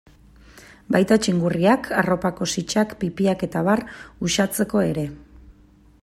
Baita txingurriak, arropako sitsak, pipiak eta abar uxatzeko ere.